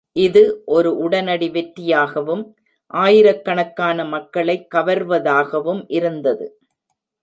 இது, ஒரு உடனடி வெற்றியாகவும், ஆயிரக்கணக்கான மக்களை கவர்வதாகவும் இருந்தது.